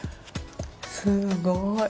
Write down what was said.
すごい。